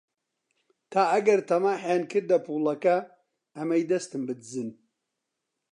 تا ئەگەر تەماحیان کردە پووڵەکە، ئەمەی دەستم بدزن